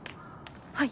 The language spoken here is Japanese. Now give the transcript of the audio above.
はい。